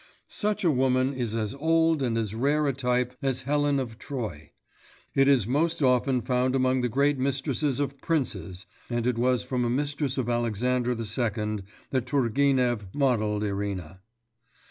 Such a woman is as old and as rare a type as Helen of Troy. It is most often found among the great mistresses of princes, and it was from a mistress of Alexander II. that Turgenev modelled Irina.